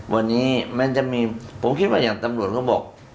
วันนี้มันจะมีผมคิดว่าอย่างตำรวจเขาบอก